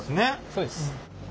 そうです。